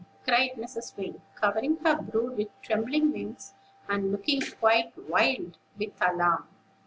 cried Mrs. Wing, covering her brood with trembling wings, and looking quite wild with alarm.